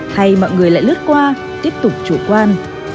hay mọi người lại lướt qua tiếp tục chủ quan